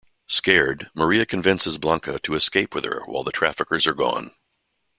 Scared, Maria convinces Blanca to escape with her while the traffickers are gone.